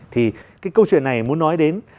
thì cái câu chuyện này muốn nói đến